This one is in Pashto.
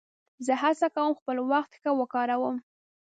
زه هڅه کوم خپل وخت ښه وکاروم.